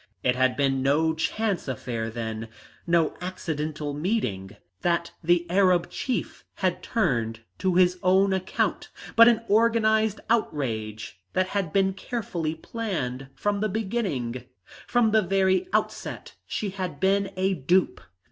It had been no chance affair then no accidental meeting that the Arab chief had turned to his own account, but an organised outrage that had been carefully planned from the beginning. From the very outset she had been a dupe.